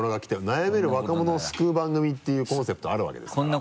悩める若者を救う番組っていうコンセプトあるわけですから。